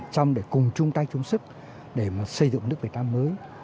trong để cùng chung tay chung sức để mà xây dựng nước người ta mới